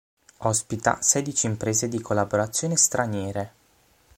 Ospita sedici imprese di collaborazione straniere.